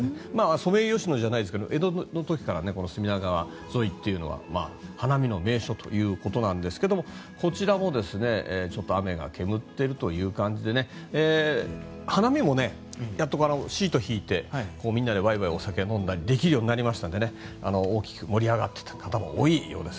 ソメイヨシノじゃないですが江戸の時から隅田川沿いは花見の名所ということですがこちらも雨が煙っている感じで花見も、シート敷いてわいわいお酒飲んでできるようになりましたので大きく盛り上がっていた方も多いようです。